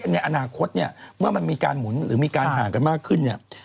ในอนาคตเมื่อมันมีการหมุนหรือมีการห่างกันมากขึ้น